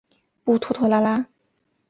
不拖拖拉拉。